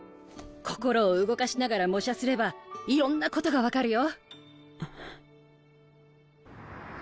心を動かしながら模写すればいろんなことが分かるよ。